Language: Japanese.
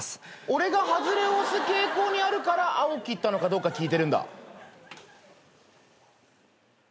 俺が外れを推す傾向にあるから青切ったのかどうか聞いてるんだ。